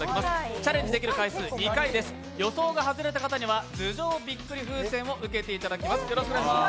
チャレンジできる回数は２回、予想が外れた方には頭上びっくり風船を受けていただきます。